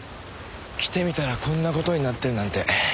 来てみたらこんな事になってるなんて。